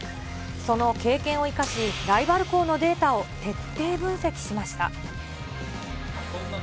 その経験を生かし、ライバル校のデータを徹底分析しました。